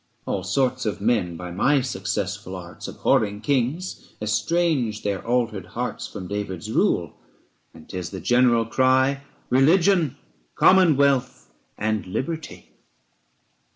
All sorts of men, by my successful arts Abhorring kings, estrange their altered hearts 290 From David's rule: and 'tis the general cry, Religion, commonwealth, and liberty.